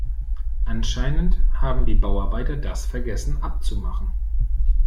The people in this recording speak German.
Anscheinend haben die Bauarbeiter das vergessen abzumachen.